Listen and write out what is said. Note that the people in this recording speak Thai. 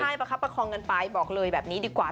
ใช่ประคับประคองกันไปบอกเลยแบบนี้ดีกว่า